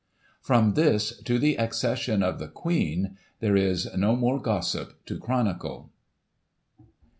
" From this, to the Accession of the Queen, there is no more Gossip to chronicle.